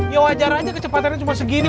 ya wajar aja kecepatannya cuma segini